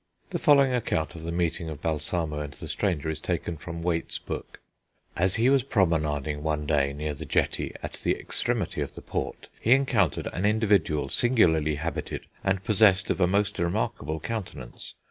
The following account of the meeting of Balsamo and the stranger is taken from Waite's book: "As he was promenading one day near the jetty at the extremity of the port he encountered an individual singularly habited and possessed of a most remarkable countenance.